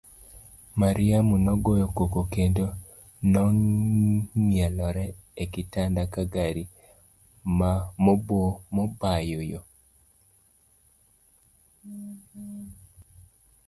Mariamu nogoyo koko kendo nong'ielore e kitanda ka gari mobayo yoo.